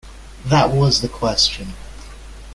That was the question.